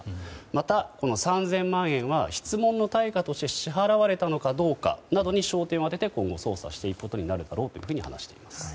また、３０００万円は質問の対価として支払われたのかどうかなどに焦点を当てて今後、捜査をしていくだろうと話しています。